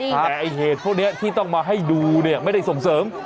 แต่ไอ้เหตุพวกนี้ที่ต้องมาให้ดูเนี่ยไม่ได้ส่งเสริม